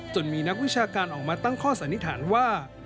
นักมีนักวิชาการออกมาตั้งข้อสันนิษฐานว่า